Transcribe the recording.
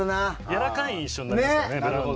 やわらかい印象になりますよね。